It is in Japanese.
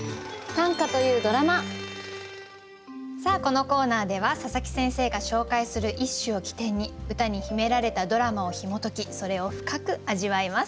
さあこのコーナーでは佐佐木先生が紹介する一首を起点に歌に秘められたドラマをひも解きそれを深く味わいます。